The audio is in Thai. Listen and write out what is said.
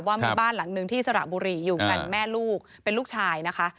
ว่ามีบ้านหลังหนึ่งที่สระบุรีอยู่กันแม่ลูกเป็นลูกชายนะคะ